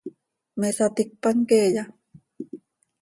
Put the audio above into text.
¿Me saticpan queeya?